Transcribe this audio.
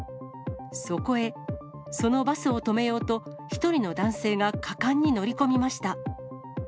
そこへ、そのバスを止めようと、１人の男性が果敢に乗り込みました。